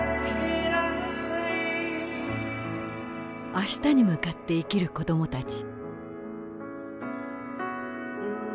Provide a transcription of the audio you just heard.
明日に向かって生きる子どもたち。